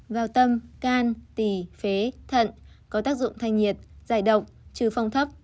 vào tâm can tì phế thận có tác dụng thanh nhiệt giải độc trừ phong thấp